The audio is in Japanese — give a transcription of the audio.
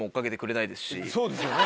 そうですよね。